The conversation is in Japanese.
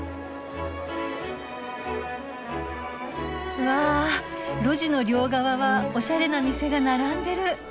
うわ路地の両側はおしゃれな店が並んでる。